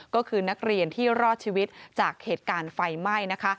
ก็คือนักเรียนที่รอดชีวิตจากเหตุการณ์ไฟไหม้นะคะ